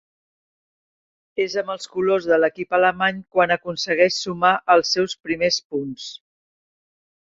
És amb els colors de l'equip alemany quan aconsegueix sumar els seus primers punts.